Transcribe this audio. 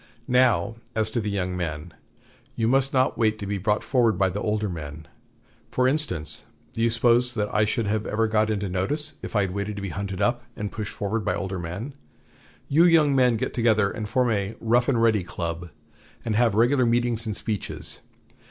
Now, as to the young men. You must not wait to be brought forward by the older men. For instance, do you suppose that I should ever have got into notice if I had waited to be hunted up and pushed forward by older men? You young men get together and form a 'Rough and Ready Club,' and have regular meetings and speeches....